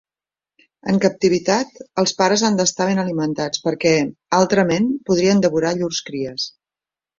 En captivitat, els pares han d'estar ben alimentats perquè, altrament, podrien devorar llurs cries.